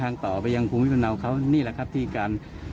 นี่แหละครับที่การ